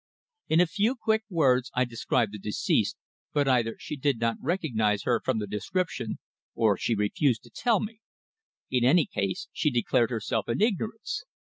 In a few quick words I described the deceased, but either she did not recognise her from the description, or she refused to tell me. In any case, she declared herself in ignorance.